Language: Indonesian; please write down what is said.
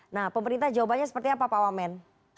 nah pemerintah jawabannya seperti apa pak wamen